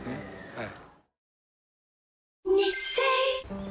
はい。